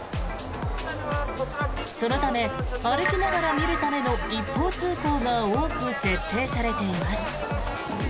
そのため、歩きながら見るための一方通行が多く設定されています。